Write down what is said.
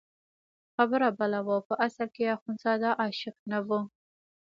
خبره بله وه او په اصل کې اخندزاده عاشق نه وو.